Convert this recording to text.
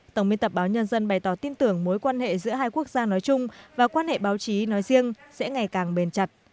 tổng biên tập báo nhân dân bày tỏ tin tưởng mối quan hệ giữa hai quốc gia nói chung và quan hệ báo chí nói riêng sẽ ngày càng bền chặt